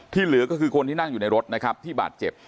เหลือก็คือคนที่นั่งอยู่ในรถนะครับที่บาดเจ็บ